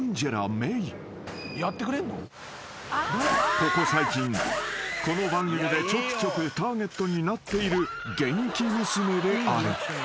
［ここ最近この番組でちょくちょくターゲットになっている元気娘である］